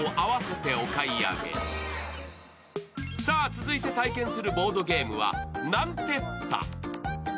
続いて体験するボードゲームは「ナンテッタ」。